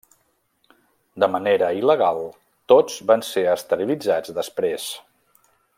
De manera il·legal, tots van ser esterilitzats després.